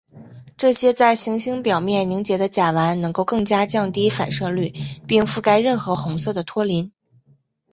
这些在行星表面凝结的甲烷能够更加降低反射率并覆盖任何红色的托林。